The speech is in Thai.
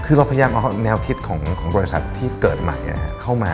คือเราพยายามเอาแนวคิดของบริษัทที่เกิดใหม่เข้ามา